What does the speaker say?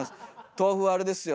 豆腐はあれですよ